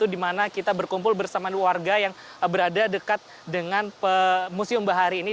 di mana kita berkumpul bersama warga yang berada dekat dengan museum bahari ini